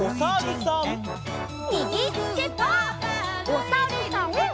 おさるさん。